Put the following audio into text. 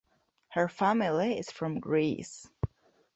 Her family is from Greece.